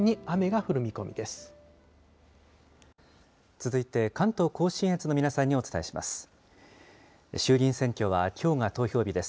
続いて、関東甲信越の皆さんにお伝えします。